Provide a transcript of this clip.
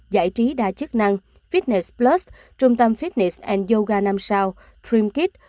đi đa chức năng fitness plus trung tâm fitness yoga năm sao dream kids